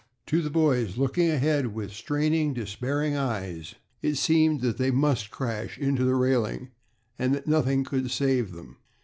To the boys, looking ahead with straining, despairing eyes, it seemed that they must crash into the railing, and that nothing could save them.